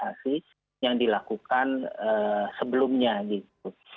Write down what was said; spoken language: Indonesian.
ada negosiasi negosiasi yang dilakukan sebelumnya gitu